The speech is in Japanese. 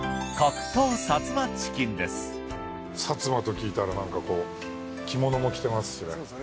薩摩と聞いたらなんかこう着物も着てますしね。